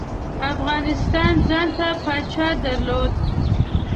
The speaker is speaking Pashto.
افغانستان ځانته پاچا درلود.